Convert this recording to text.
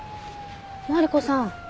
マリコさん